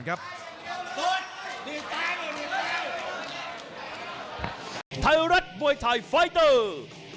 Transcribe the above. กำปั้นขวาสายวัดระยะไปเรื่อย